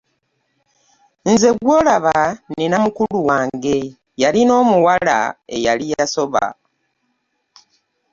Nze gw'olaba nnina mukulu wange yalina omuwala eyali yasoba.